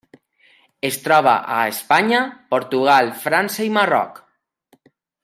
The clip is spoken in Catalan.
Es troba a Espanya, Portugal, França i Marroc.